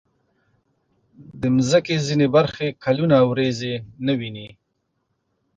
د مځکې ځینې برخې کلونه وریځې نه ویني.